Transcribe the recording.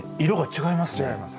違います。